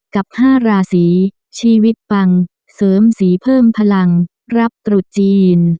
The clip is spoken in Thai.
กับ๕ราศีชีวิตปังเสริมสีเพิ่มพลังรับตรุษจีน